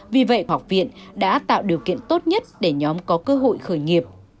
vì vậy học viện đã tạo điều kiện tốt nhất để nhóm có cơ hội khởi nghiệp